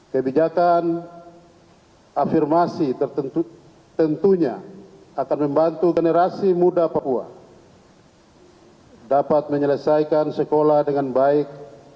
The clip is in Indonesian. kebijakan afirmasi tentunya akan membantu generasi muda papua dapat menyelesaikan sekolah dengan baik